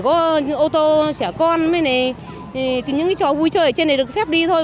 chỉ có ô tô trẻ con những cái chó vui chơi ở trên này được phép đi thôi